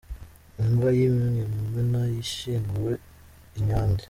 Imva y’imwe mu Mena zishyinguye i Nyange.